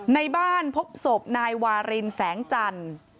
ในบ้านพบศพนายวารินแสงจันทร์